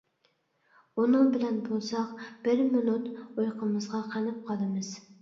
ئۇنىڭ بىلەن بولساق بىر مىنۇت، ئۇيقۇمىزغا قېنىپ قالىمىز.